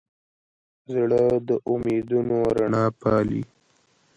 زړه د امیدونو رڼا پالي.